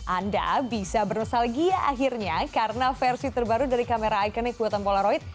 anda bisa bernasal lagi ya akhirnya karena versi terbaru dari kamera ikonik buatan polaroid